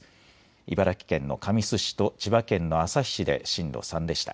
茨城県の神栖市と千葉県の旭市で震度３でした。